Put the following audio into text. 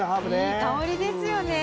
いい香りですよね。